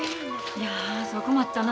いやそら困ったな。